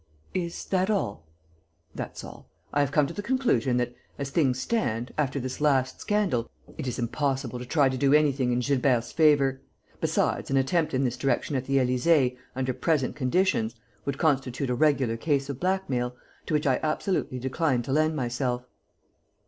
"Is that all?" "That's all. I have come to the conclusion that, as things stand, after this last scandal, it is impossible to try to do anything in Gilbert's favour. Besides, an attempt in this direction at the Élysée, under present conditions, would constitute a regular case of blackmail, to which I absolutely decline to lend myself."